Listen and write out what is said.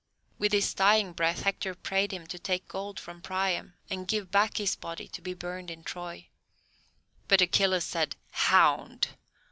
With his dying breath Hector prayed him to take gold from Priam, and give back his body to be burned in Troy. But Achilles said, "Hound!